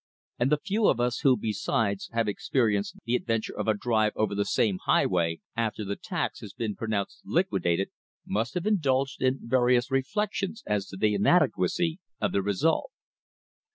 And the few of us who, besides, have experienced the adventure of a drive over the same highway after the tax has been pronounced liquidated, must have indulged in varied reflections as to the inadequacy of the result.